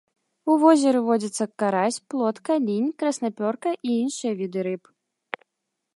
У возеры водзяцца карась, плотка, лінь, краснапёрка і іншыя віды рыб.